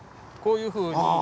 こういうふうに。